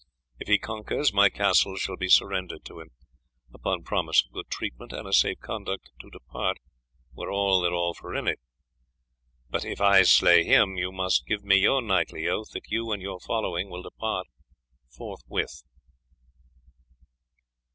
If he conquers, my castle shall be surrendered to him, upon promise of good treatment and a safe conduct to depart where they will for all within it; but if I slay him, you must give me your knightly oath that you and your following will depart forthwith."